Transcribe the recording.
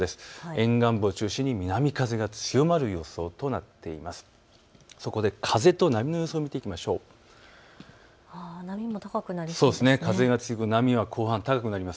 沿岸部中心に南風が強まる予想となっています。